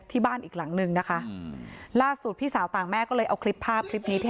ที่บ้านอีกหลังนึงนะคะล่าสุดพี่สาวต่างแม่ก็เลยเอาคลิปภาพคลิปนี้ที่